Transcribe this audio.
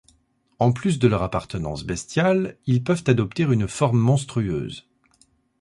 En plus de leur apparence bestiale, ils peuvent adopter une forme monstrueuse.